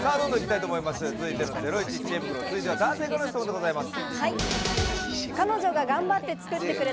続いてのゼロイチ知恵袋、続いては男性からの質問です。